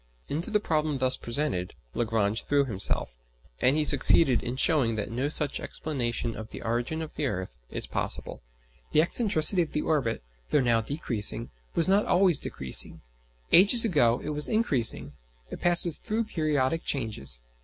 Into the problem thus presented Lagrange threw himself, and he succeeded in showing that no such explanation of the origin of the earth is possible. The excentricity of the orbit, though now decreasing, was not always decreasing; ages ago it was increasing: it passes through periodic changes.